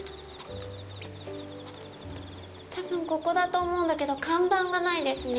多分ここだと思うんだけど看板がないですね。